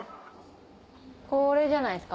これじゃないですか。